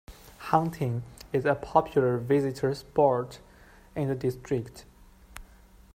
Hunting is a popular visitor sport in the district.